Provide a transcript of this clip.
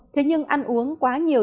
thế nhưng ăn uống quá nhiều